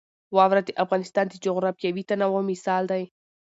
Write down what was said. واوره د افغانستان د جغرافیوي تنوع مثال دی.